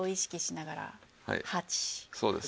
そうです。